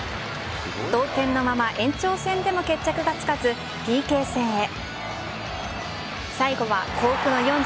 同点のまま延長戦でも決着がつかずＰＫ戦へ。